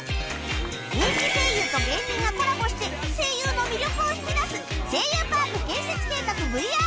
人気声優と芸人がコラボして声優の魅力を引き出す『声優パーク建設計画 ＶＲ 部』